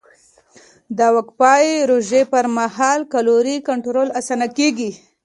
د وقفهيي روژې پر مهال کالوري کنټرول اسانه کېږي.